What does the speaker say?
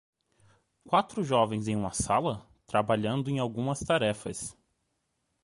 Quatro jovens em uma sala? trabalhando em algumas tarefas.